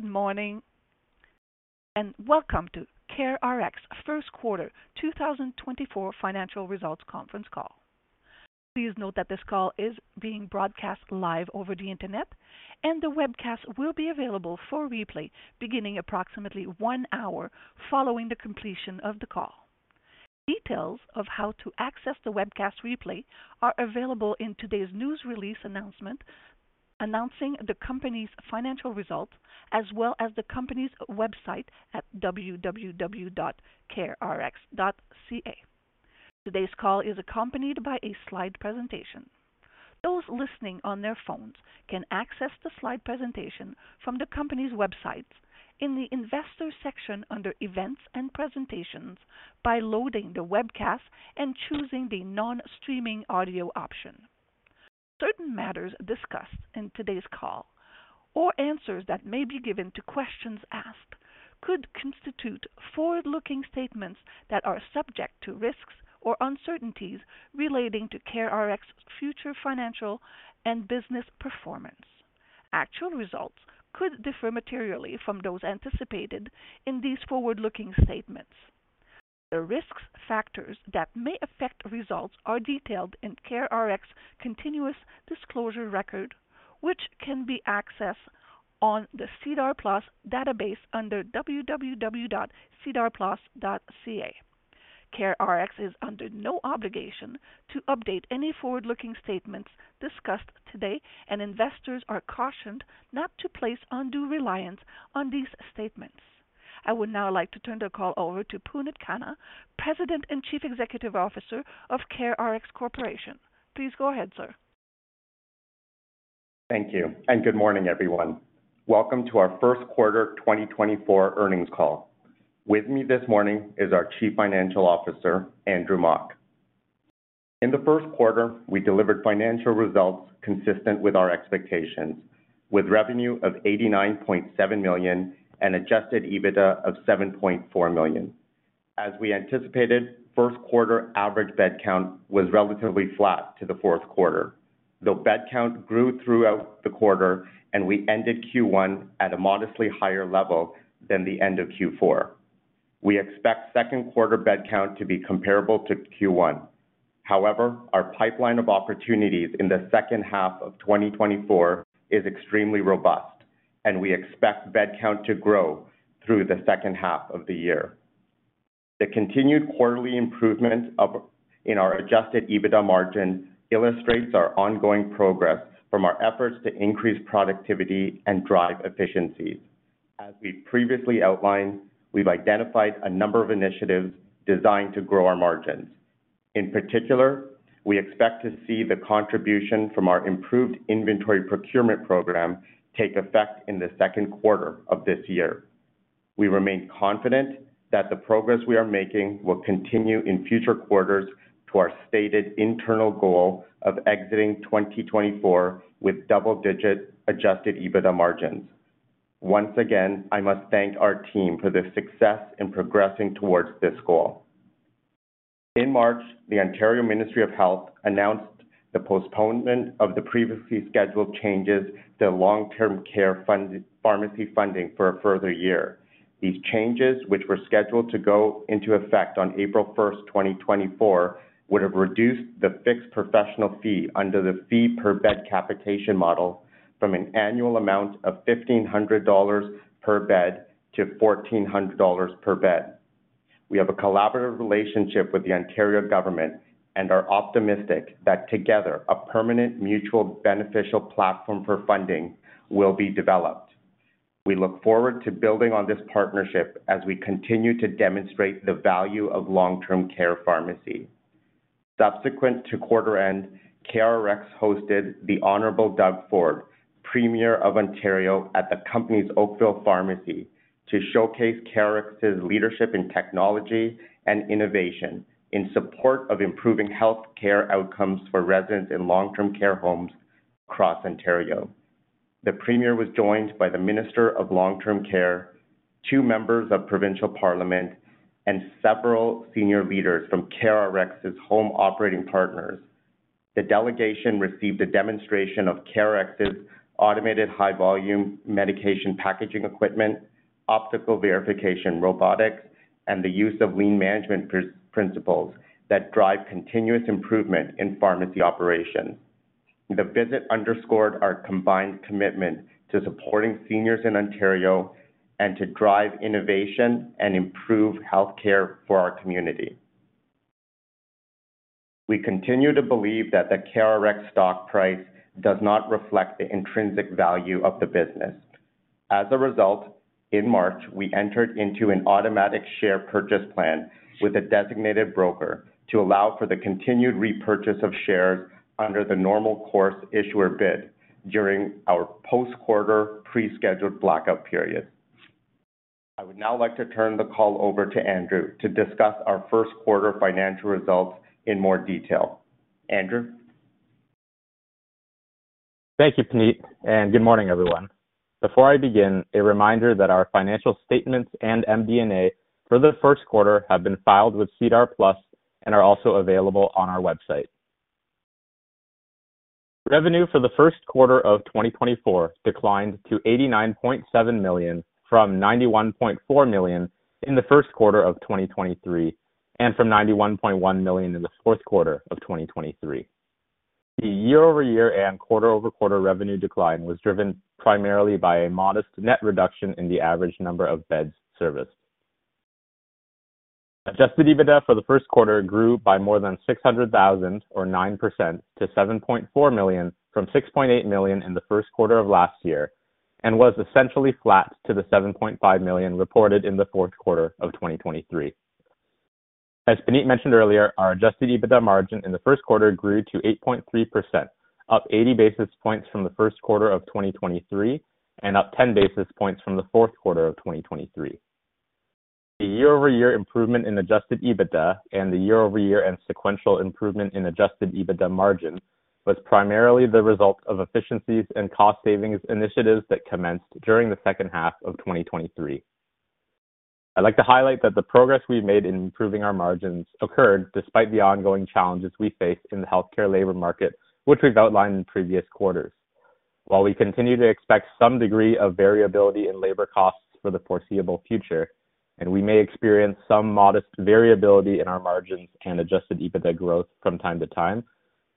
Good morning, and welcome to CareRx first quarter 2024 financial results conference call. Please note that this call is being broadcast live over the Internet, and the webcast will be available for replay beginning approximately one hour following the completion of the call. Details of how to access the webcast replay are available in today's news release announcement, announcing the company's financial results, as well as the company's website at www.carerx.ca. Today's call is accompanied by a slide presentation. Those listening on their phones can access the slide presentation from the company's websites in the investor section, under Events and Presentations, by loading the webcast and choosing the non-streaming audio option. Certain matters discussed in today's call or answers that may be given to questions asked, could constitute forward-looking statements that are subject to risks or uncertainties relating to CareRx's future financial and business performance. Actual results could differ materially from those anticipated in these forward-looking statements. The risk factors that may affect results are detailed in CareRx's continuous disclosure record, which can be accessed on the SEDAR+ database under www.sedarplus.ca. CareRx is under no obligation to update any forward-looking statements discussed today, and investors are cautioned not to place undue reliance on these statements. I would now like to turn the call over to Puneet Khanna, President and Chief Executive Officer of CareRx Corporation. Please go ahead, sir. Thank you, and good morning, everyone. Welcome to our first quarter 2024 earnings call. With me this morning is our Chief Financial Officer, Andrew Mok. In the first quarter, we delivered financial results consistent with our expectations, with revenue of 89.7 million and Adjusted EBITDA of 7.4 million. As we anticipated, first quarter average bed count was relatively flat to the fourth quarter. The bed count grew throughout the quarter, and we ended Q1 at a modestly higher level than the end of Q4. We expect second quarter bed count to be comparable to Q1. However, our pipeline of opportunities in the second half of 2024 is extremely robust, and we expect bed count to grow through the second half of the year. The continued quarterly improvement in our Adjusted EBITDA margin illustrates our ongoing progress from our efforts to increase productivity and drive efficiencies. As we previously outlined, we've identified a number of initiatives designed to grow our margins. In particular, we expect to see the contribution from our improved inventory procurement program take effect in the second quarter of this year. We remain confident that the progress we are making will continue in future quarters to our stated internal goal of exiting 2024 with double-digit Adjusted EBITDA margins. Once again, I must thank our team for their success in progressing towards this goal. In March, the Ontario Ministry of Health announced the postponement of the previously scheduled changes to long-term care pharmacy funding for a further year. These changes, which were scheduled to go into effect on April 1, 2024, would have reduced the fixed professional fee under the fee per bed capitation model from an annual amount of 1,500 dollars per bed to 1,400 dollars per bed. We have a collaborative relationship with the Ontario government and are optimistic that together, a permanent, mutual, beneficial platform for funding will be developed. We look forward to building on this partnership as we continue to demonstrate the value of long-term care pharmacy. Subsequent to quarter end, CareRx hosted the Honorable Doug Ford, Premier of Ontario, at the company's Oakville pharmacy to showcase CareRx's leadership in technology and innovation in support of improving healthcare outcomes for residents in long-term care homes across Ontario. The Premier was joined by the Minister of Long-Term Care, two members of Provincial Parliament, and several senior leaders from CareRx's home operating partners. The delegation received a demonstration of CareRx's automated high-volume medication packaging equipment, optical verification robotics, and the use of lean management principles that drive continuous improvement in pharmacy operations. The visit underscored our combined commitment to supporting seniors in Ontario and to drive innovation and improve healthcare for our community. We continue to believe that the CareRx stock price does not reflect the intrinsic value of the business. As a result, in March, we entered into an automatic share purchase plan with a designated broker to allow for the continued repurchase of shares under the normal course issuer bid during our post-quarter, pre-scheduled blackout period. I would now like to turn the call over to Andrew to discuss our First Quarter financial results in more detail. Andrew? Thank you, Puneet, and good morning, everyone. Before I begin, a reminder that our financial statements and MD&A for the first quarter have been filed with SEDAR+ and are also available on our website. Revenue for the first quarter of 2024 declined to 89.7 million, from 91.4 million in the first quarter of 2023, and from 91.1 million in the fourth quarter of 2023. The year-over-year and quarter-over-quarter revenue decline was driven primarily by a modest net reduction in the average number of beds serviced. Adjusted EBITDA for the first quarter grew by more than 600,000 or 9% to 7.4 million from 6.8 million in the first quarter of last year, and was essentially flat to the 7.5 million reported in the fourth quarter of 2023. As Puneet mentioned earlier, our adjusted EBITDA margin in the first quarter grew to 8.3%, up 80 basis points from the first quarter of 2023, and up 10 basis points from the fourth quarter of 2023. The year-over-year improvement in adjusted EBITDA and the year-over-year and sequential improvement in adjusted EBITDA margin was primarily the result of efficiencies and cost savings initiatives that commenced during the second half of 2023. I'd like to highlight that the progress we've made in improving our margins occurred despite the ongoing challenges we face in the healthcare labor market, which we've outlined in previous quarters. While we continue to expect some degree of variability in labor costs for the foreseeable future, and we may experience some modest variability in our margins and Adjusted EBITDA growth from time to time,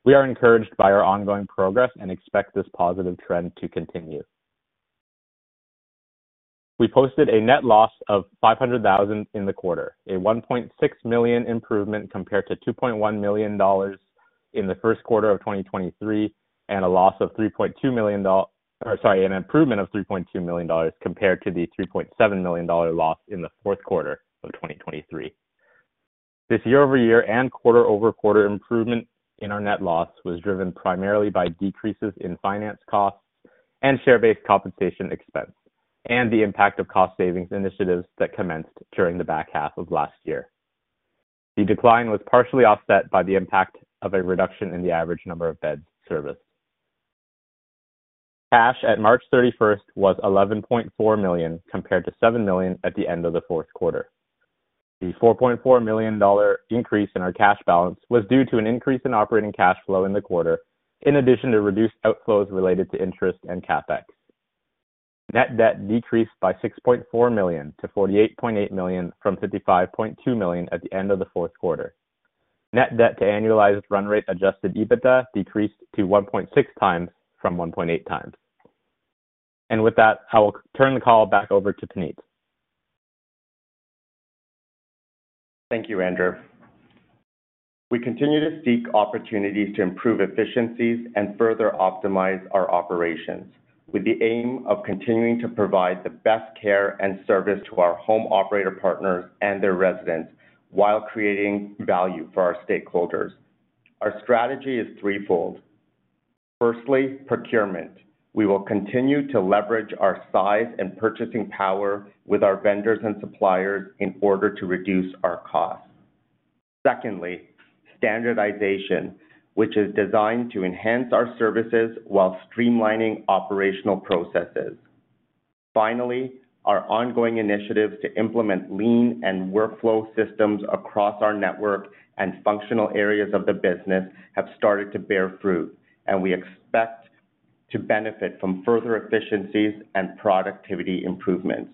we are encouraged by our ongoing progress and expect this positive trend to continue. We posted a net loss of 500,000 in the quarter, a 1.6 million improvement compared to 2.1 million dollars in the first quarter of 2023, and a loss of 3.2 million dollars or sorry, an improvement of 3.2 million dollars compared to the 3.7 million dollar loss in the fourth quarter of 2023. This year-over-year and quarter-over-quarter improvement in our net loss was driven primarily by decreases in finance costs and share-based compensation expense, and the impact of cost savings initiatives that commenced during the back half of last year. The decline was partially offset by the impact of a reduction in the average number of beds serviced. Cash at March 31st was 11.4 million, compared to 7 million at the end of the fourth quarter. The 4.4 million dollar increase in our cash balance was due to an increase in operating cash flow in the quarter, in addition to reduced outflows related to interest and CapEx. Net debt decreased by 6.4 million, to 48.8 million from 55.2 million at the end of the fourth quarter. Net debt to annualized run rate Adjusted EBITDA decreased to 1.6 times from 1.8 times. With that, I will turn the call back over to Puneet. Thank you, Andrew. We continue to seek opportunities to improve efficiencies and further optimize our operations, with the aim of continuing to provide the best care and service to our home operator partners and their residents, while creating value for our stakeholders. Our strategy is threefold. Firstly, procurement. We will continue to leverage our size and purchasing power with our vendors and suppliers in order to reduce our costs. Secondly, standardization, which is designed to enhance our services while streamlining operational processes. Finally, our ongoing initiatives to implement lean and workflow systems across our network and functional areas of the business have started to bear fruit, and we expect to benefit from further efficiencies and productivity improvements.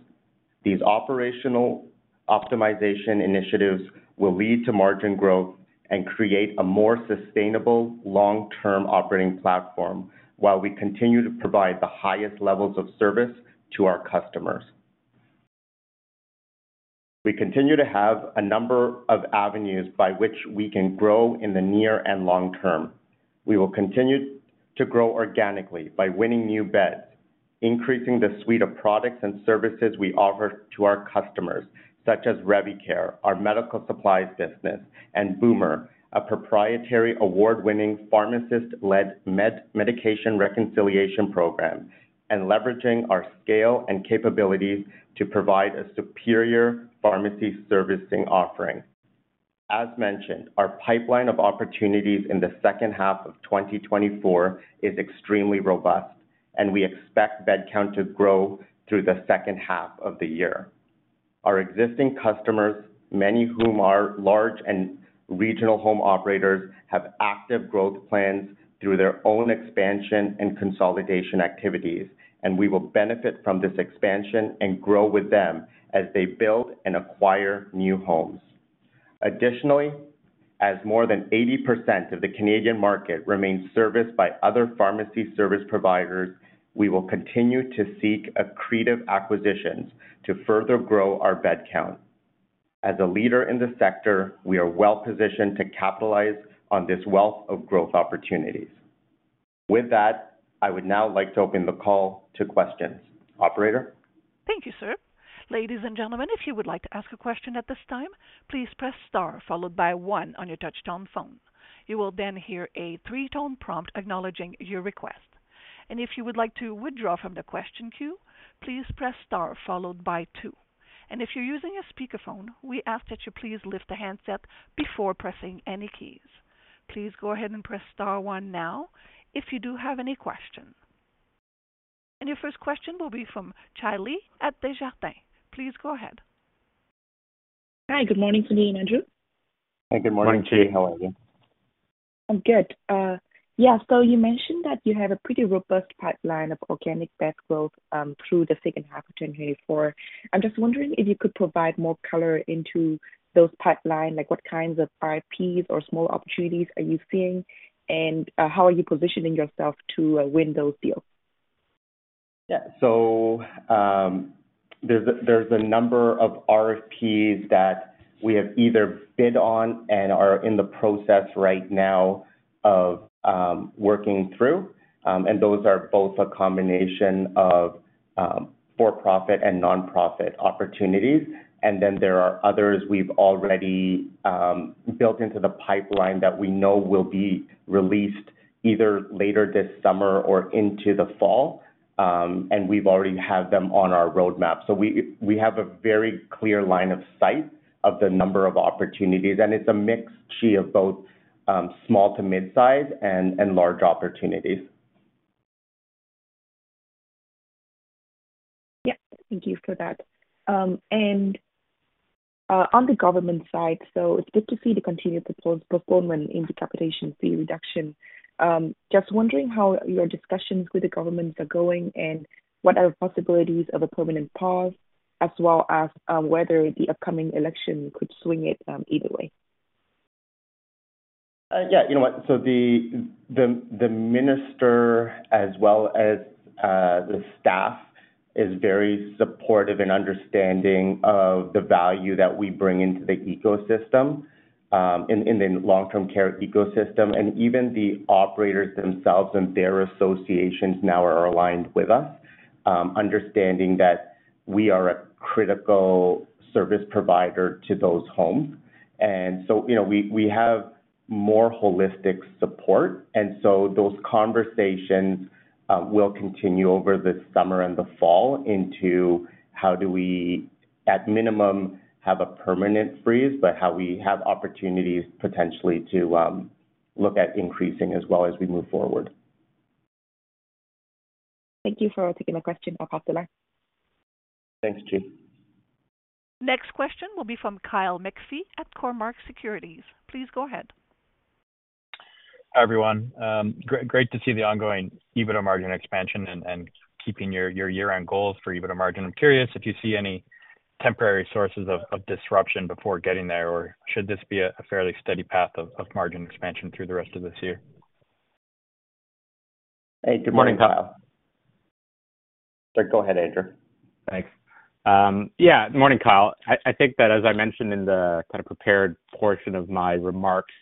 These operational optimization initiatives will lead to margin growth and create a more sustainable long-term operating platform, while we continue to provide the highest levels of service to our customers. We continue to have a number of avenues by which we can grow in the near and long term. We will continue to grow organically by winning new beds, increasing the suite of products and services we offer to our customers, such as Revicare, our medical supplies business, and Boomer, a proprietary, award-winning, pharmacist-led medication reconciliation program, and leveraging our scale and capabilities to provide a superior pharmacy servicing offering. As mentioned, our pipeline of opportunities in the second half of 2024 is extremely robust, and we expect bed count to grow through the second half of the year. Our existing customers, many of whom are large and regional home operators, have active growth plans through their own expansion and consolidation activities, and we will benefit from this expansion and grow with them as they build and acquire new homes. Additionally, as more than 80% of the Canadian market remains serviced by other pharmacy service providers, we will continue to seek accretive acquisitions to further grow our bed count. As a leader in the sector, we are well positioned to capitalize on this wealth of growth opportunities. With that, I would now like to open the call to questions. Operator? Thank you, sir. Ladies and gentlemen, if you would like to ask a question at this time, please press star followed by one on your touchtone phone. You will then hear a three-tone prompt acknowledging your request. If you would like to withdraw from the question queue, please press star followed by two. If you're using a speakerphone, we ask that you please lift the handset before pressing any keys. Please go ahead and press star one now if you do have any questions. Your first question will be from Charlie at Desjardins. Please go ahead. Hi, good morning, Puneet and Andrew. Hi, good morning, Gary Ho. How are you? I'm good. Yeah, so you mentioned that you had a pretty robust pipeline of organic bed growth through the second half of 2024. I'm just wondering if you could provide more color into those pipeline, like what kinds of RFPs or small opportunities are you seeing? How are you positioning yourself to win those deals? Yeah. So, there's a number of RFPs that we have either bid on and are in the process right now of working through. Those are both a combination of for-profit and nonprofit opportunities. Then there are others we've already built into the pipeline that we know will be released either later this summer or into the fall. We've already had them on our roadmap. So we have a very clear line of sight of the number of opportunities, and it's a mix, Gary, of both small to mid-size and large opportunities. Yeah. Thank you for that. And, on the government side, so it's good to see the continued performance in the capitation fee reduction. Just wondering how your discussions with the governments are going, and what are the possibilities of a permanent pause, as well as, whether the upcoming election could swing it, either way. Yeah, you know what? So the minister, as well as the staff, is very supportive in understanding of the value that we bring into the ecosystem, in the long-term care ecosystem. And even the operators themselves and their associations now are aligned with us, understanding that we are a critical service provider to those homes. And so, you know, we have more holistic support, and so those conversations will continue over the summer and the fall into how do we, at minimum, have a permanent freeze, but how we have opportunities potentially to look at increasing as well as we move forward. Thank you for taking my question. I'll pass it on. Thanks, Gary. Next question will be from Kyle McPhee at Cormark Securities. Please go ahead. Hi, everyone. Great to see the ongoing EBITDA margin expansion and keeping your year-end goals for EBITDA margin. I'm curious if you see any temporary sources of disruption before getting there, or should this be a fairly steady path of margin expansion through the rest of this year? Hey, good morning, Kyle. Sorry. Go ahead, Andrew. Thanks. Yeah, good morning, Kyle. I think that, as I mentioned in the kind of prepared portion of my remarks,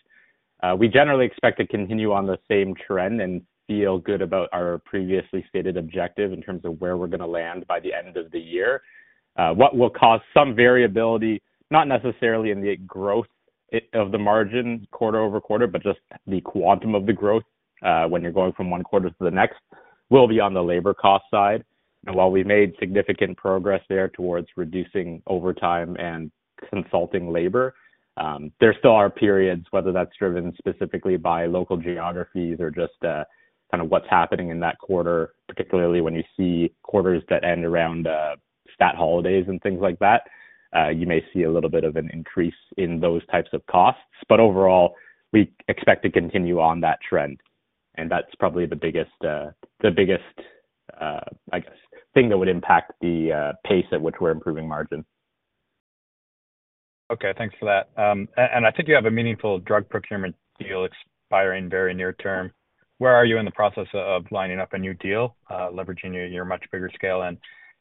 we generally expect to continue on the same trend and feel good about our previously stated objective in terms of where we're gonna land by the end of the year. What will cause some variability, not necessarily in the growth of the margin quarter over quarter, but just the quantum of the growth, when you're going from one quarter to the next, will be on the labor cost side. While we've made significant progress there towards reducing overtime and consulting labor, there still are periods, whether that's driven specifically by local geographies or just kind of what's happening in that quarter, particularly when you see quarters that end around stat holidays and things like that, you may see a little bit of an increase in those types of costs. But overall, we expect to continue on that trend, and that's probably the biggest, I guess, thing that would impact the pace at which we're improving margin. Okay, thanks for that. And I think you have a meaningful drug procurement deal expiring very near term. Where are you in the process of lining up a new deal, leveraging your much bigger scale? And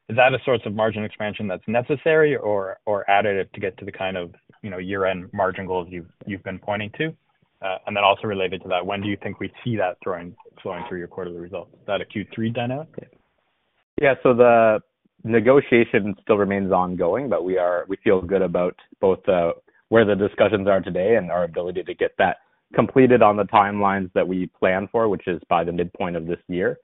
is that a source of margin expansion that's necessary or additive to get to the kind of, you know, year-end margin goals you've been pointing to? And then also related to that, when do you think we'd see that flowing through your quarterly results? Is that a Q3 dynamic? Yeah. So the negotiation still remains ongoing, but we are—we feel good about both, where the discussions are today and our ability to get that completed on the timelines that we plan for, which is by the midpoint of this year.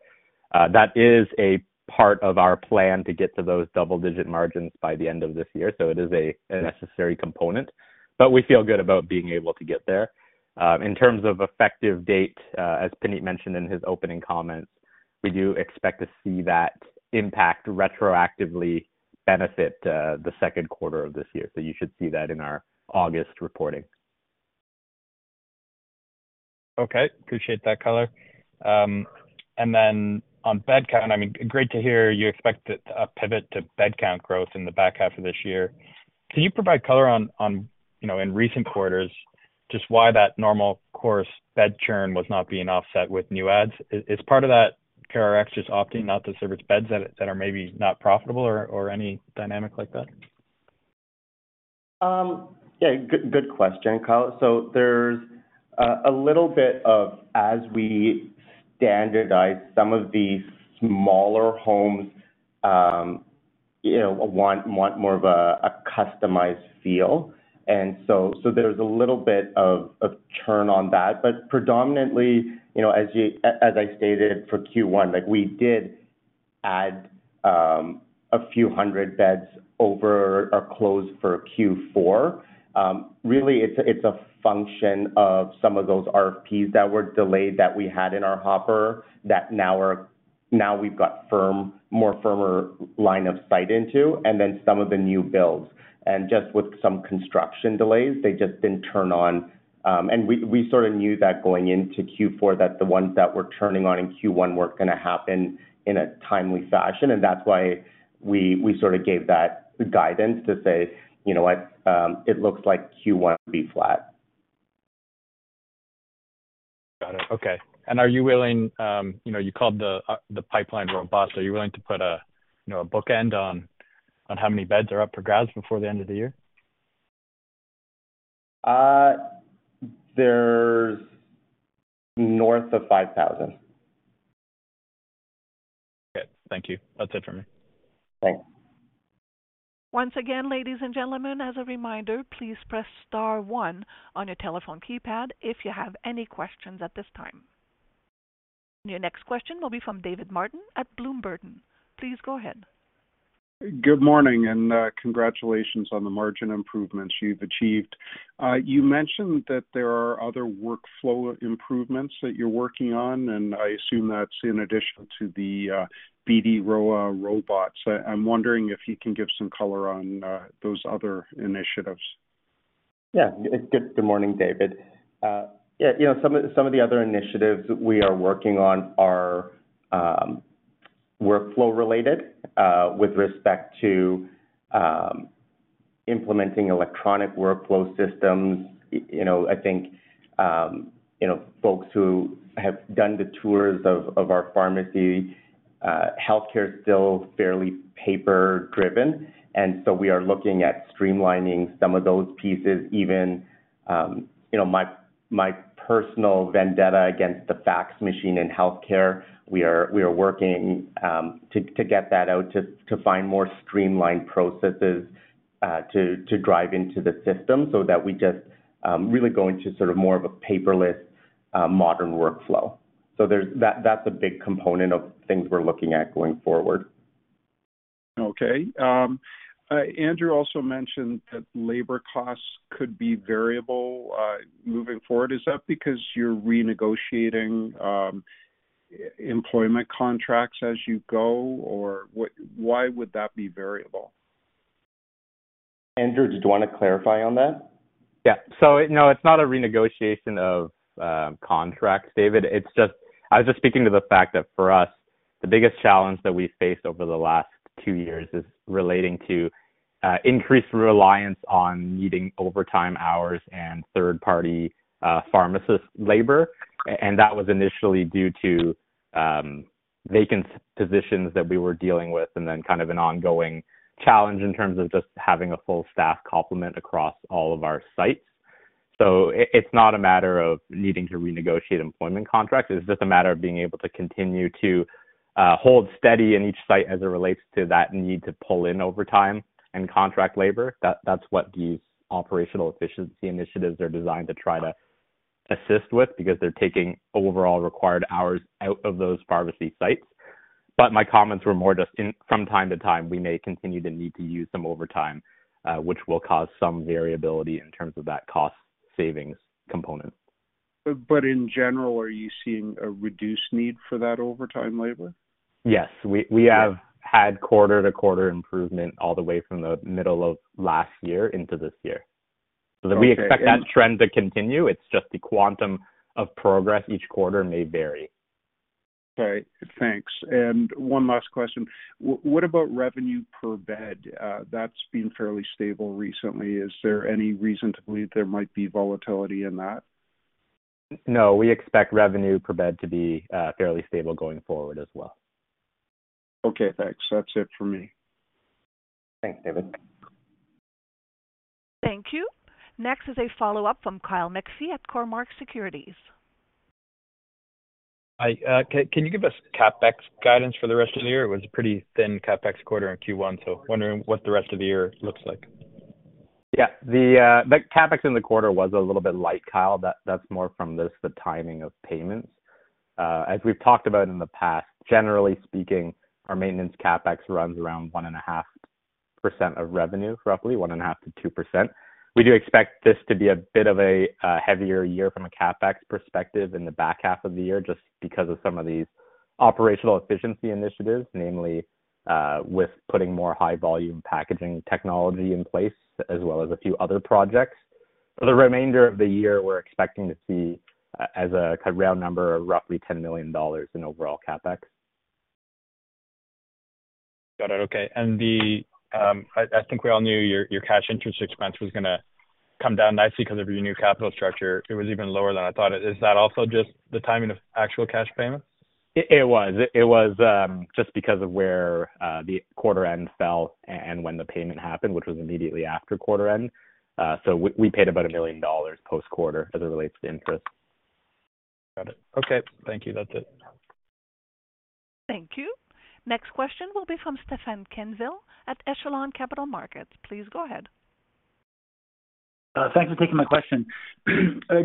That is a part of our plan to get to those double-digit margins by the end of this year, so it is a, a necessary component, but we feel good about being able to get there. In terms of effective date, as Puneet mentioned in his opening comments, we do expect to see that impact retroactively benefit, the second quarter of this year. So you should see that in our August reporting. Okay, appreciate that color. And then on bed count, I mean, great to hear you expect a pivot to bed count growth in the back half of this year. Can you provide color on, on, you know, in recent quarters, just why that normal course bed churn was not being offset with new adds? Is part of that CareRx just opting not to service beds that are maybe not profitable or any dynamic like that? Yeah, good question, Kyle. So there's a little bit of, as we standardize some of the smaller homes, you know, want more of a customized feel. And so there's a little bit of churn on that. But predominantly, you know, as I stated for Q1, like we did add a few hundred beds over our close for Q4. Really, it's a function of some of those RFPs that were delayed that we had in our hopper that now we've got firmer line of sight into, and then some of the new builds. And just with some construction delays, they just didn't turn on. And we sort of knew that going into Q4, that the ones that were turning on in Q1 weren't gonna happen in a timely fashion. That's why we sort of gave that guidance to say, "You know what? It looks like Q1 will be flat. Got it. Okay. And are you willing, you know, you called the pipeline robust. Are you willing to put a, you know, a bookend on how many beds are up for grabs before the end of the year? There's north of 5,000. Okay. Thank you. That's it for me. Thanks. Once again, ladies and gentlemen, as a reminder, please press star one on your telephone keypad if you have any questions at this time. Your next question will be from David Martin at Bloom Burton & Co. Please go ahead. Good morning, and congratulations on the margin improvements you've achieved. You mentioned that there are other workflow improvements that you're working on, and I assume that's in addition to the BD Rowa robots. I'm wondering if you can give some color on those other initiatives. Yeah. Good morning, David. Yeah, you know, some of the other initiatives we are working on are workflow related with respect to implementing electronic workflow systems. You know, I think you know, folks who have done the tours of our pharmacy, healthcare is still fairly paper driven, and so we are looking at streamlining some of those pieces. Even you know, my personal vendetta against the fax machine in healthcare, we are working to get that out, to find more streamlined processes to drive into the system so that we just really go into sort of more of a paperless modern workflow. So there's... That, that's a big component of things we're looking at going forward. Okay. Andrew also mentioned that labor costs could be variable, moving forward. Is that because you're renegotiating, employment contracts as you go, or what, why would that be variable? Andrew, did you want to clarify on that? Yeah. So, no, it's not a renegotiation of contracts, David. It's just... I was just speaking to the fact that for us, the biggest challenge that we've faced over the last two years is relating to increased reliance on needing overtime hours and third-party pharmacist labor. And that was initially due to vacant positions that we were dealing with, and then kind of an ongoing challenge in terms of just having a full staff complement across all of our sites. So it's not a matter of needing to renegotiate employment contracts. It's just a matter of being able to continue to hold steady in each site as it relates to that need to pull in overtime and contract labor. That's what these operational efficiency initiatives are designed to try to assist with, because they're taking overall required hours out of those pharmacy sites. But my comments were more just in, from time to time, we may continue to need to use some overtime, which will cause some variability in terms of that cost savings component. But in general, are you seeing a reduced need for that overtime labor? Yes. Yeah. We have had quarter-to-quarter improvement all the way from the middle of last year into this year. Okay, and- We expect that trend to continue. It's just the quantum of progress each quarter may vary. Okay, thanks. One last question. What about revenue per bed? That's been fairly stable recently. Is there any reason to believe there might be volatility in that? No, we expect revenue per bed to be fairly stable going forward as well. Okay, thanks. That's it for me. Thanks, David. Thank you. Next is a follow-up from Kyle McPhee at Cormark Securities. Hi. Can you give us CapEx guidance for the rest of the year? It was a pretty thin CapEx quarter in Q1, so wondering what the rest of the year looks like. Yeah. The CapEx in the quarter was a little bit light, Kyle. That's more from just the timing of payments. As we've talked about in the past, generally speaking, our maintenance CapEx runs around 1.5% of revenue, roughly 1.5%-2%. We do expect this to be a bit of a heavier year from a CapEx perspective in the back half of the year, just because of some of these operational efficiency initiatives, namely, with putting more high volume packaging technology in place, as well as a few other projects. For the remainder of the year, we're expecting to see, as a kind of round number, roughly 10 million dollars in overall CapEx. Got it. Okay. And the... I think we all knew your cash interest expense was gonna come down nicely because of your new capital structure. It was even lower than I thought it is. Is that also just the timing of actual cash payments? It was just because of where the quarter end fell and when the payment happened, which was immediately after quarter end. So we paid about 1 million dollars post-quarter as it relates to interest. Got it. Okay, thank you. That's it. Thank you. Next question will be from Stefan Quenneville at Echelon Capital Markets. Please go ahead. Thanks for taking my question.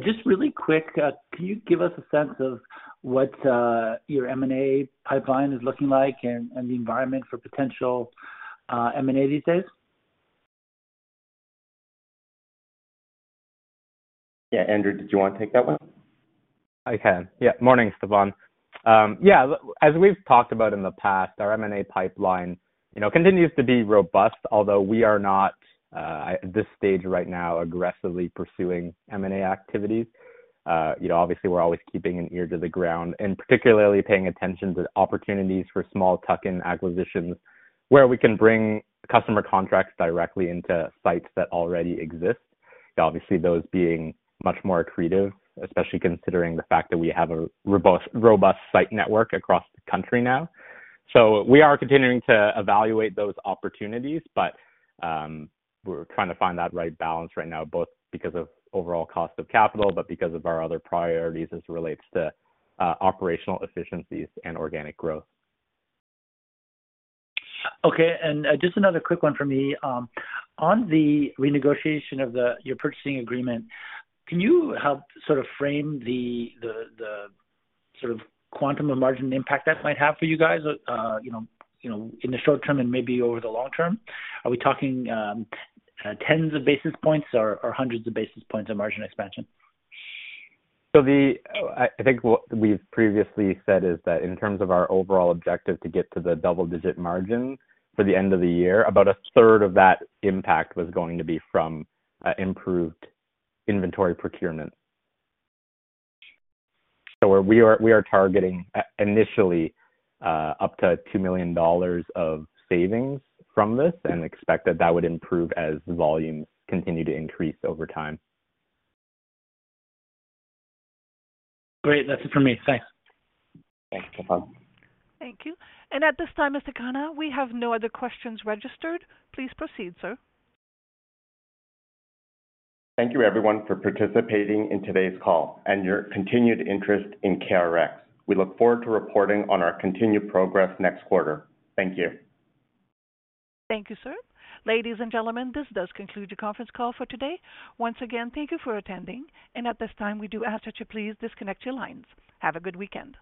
Just really quick, can you give us a sense of what your M&A pipeline is looking like and the environment for potential M&A these days? Yeah, Andrew, did you want to take that one? I can. Yeah. Morning, Stefan. Yeah, as we've talked about in the past, our M&A pipeline, you know, continues to be robust, although we are not, at this stage right now, aggressively pursuing M&A activities. You know, obviously, we're always keeping an ear to the ground and particularly paying attention to opportunities for small tuck-in acquisitions, where we can bring customer contracts directly into sites that already exist. Obviously, those being much more accretive, especially considering the fact that we have a robust site network across the country now. So we are continuing to evaluate those opportunities, but, we're trying to find that right balance right now, both because of overall cost of capital, but because of our other priorities as it relates to, operational efficiencies and organic growth. Okay, and, just another quick one for me. On the renegotiation of your purchasing agreement, can you help sort of frame the sort of quantum of margin impact that might have for you guys, you know, you know, in the short term and maybe over the long term? Are we talking tens of basis points or hundreds of basis points of margin expansion? I think what we've previously said is that in terms of our overall objective to get to the double-digit margin for the end of the year, about a third of that impact was going to be from improved inventory procurement. So we are targeting initially up to 2 million dollars of savings from this and expect that that would improve as volumes continue to increase over time. Great. That's it for me. Thanks. Thanks, Stefan. Thank you. At this time, Mr. Khanna, we have no other questions registered. Please proceed, sir. Thank you, everyone, for participating in today's call and your continued interest in CareRx. We look forward to reporting on our continued progress next quarter. Thank you. Thank you, sir. Ladies and gentlemen, this does conclude the conference call for today. Once again, thank you for attending, and at this time, we do ask that you please disconnect your lines. Have a good weekend.